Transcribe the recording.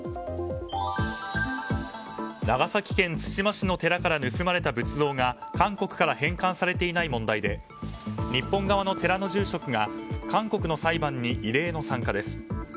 長崎県対馬市の寺から盗まれた仏像が韓国から返還されていない問題で日本の寺の住職が韓国の裁判に異例の参加です。